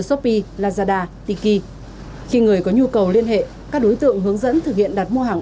shopee lazada tiki khi người có nhu cầu liên hệ các đối tượng hướng dẫn thực hiện đặt mua hàng